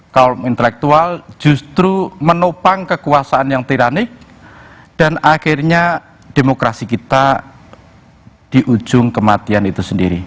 kaum intelektual justru menopang kekuasaan yang tiranik dan akhirnya demokrasi kita di ujung kematian itu sendiri